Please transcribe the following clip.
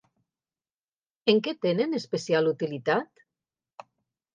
En què tenen especial utilitat?